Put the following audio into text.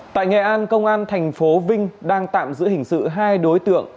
tại nghệ an công an thành phố vinh đang tạm giữ hình sự hai đối tượng